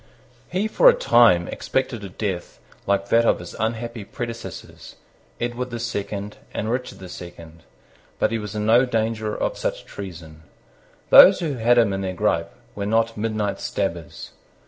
He for a time expected a death like that of his unhappy predecessors, Edward the Second and Richard the Second. But he was in no danger of such treason. Those who had him in their gripe were not midnight stabbers.